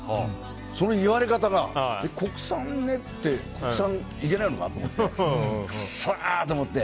その言われ方が、国産ねって国産、いけないのか？と思ってくそーと思って。